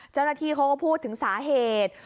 เจ้าหน้าที่เขาก็พูดถึงสาเหตุ